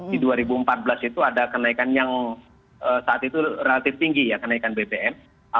di dua ribu empat belas itu ada kenaikan yang saat itu relatif tinggi ya kenaikan bbm